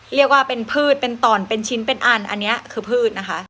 เรียกว่าเป็นพืชเป็นต่อนเป็นชิ้นเป็นอันอันนี้คือพืชนะคะ